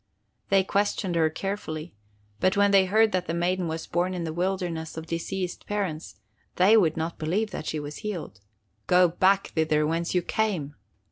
They questioned her carefully; but when they heard that the maiden was born in the wilderness of diseased parents, they would not believe that she was healed. 'Go back thither whence you came!